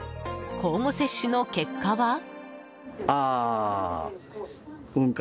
交互接種の結果は。